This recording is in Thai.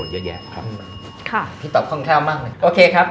เยอะแยะครับค่ะพี่ตอบค่อนข้างมากเลยโอเคครับ